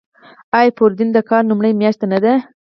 آیا فروردین د کال لومړۍ میاشت نه ده؟